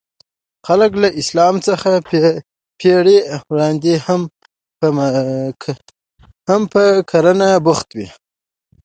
خلک له اسلام څخه پېړۍ وړاندې هم په کرنه بوخت وو.